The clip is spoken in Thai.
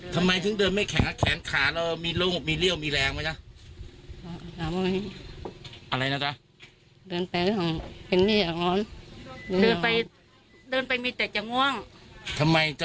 ไปถึงเห็นนี่อยากง้อนเดินไปเดินไปมีแต่จะง่วงทำไมจะ